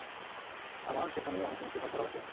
আমার সেখানের অনেক নিউজপেপার পড়া বাকী আছে।